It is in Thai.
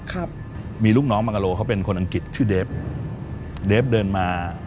ครับมีลูกน้องมังกะโลเขาเป็นคนอังกฤษชื่อเดฟเดฟเดินมา